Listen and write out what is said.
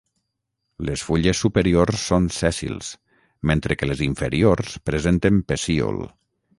Les fulles superiors són sèssils, mentre que les inferiors presenten pecíol.